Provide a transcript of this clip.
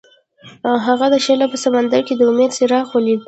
هغه د شعله په سمندر کې د امید څراغ ولید.